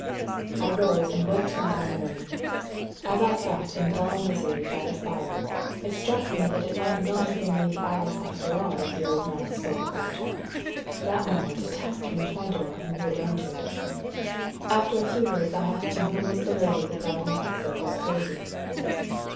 I rose, and went to my own room. As I sat in dull misery by the fire, it struck me that it might not have been Lady Alice after all that the old man spoke about. That moment a tap came to my door, and Wood entered. After a few words, I asked him who was the lady the gardener had said was crazy.